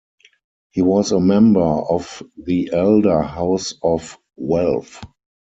He was a member of the Elder House of Welf.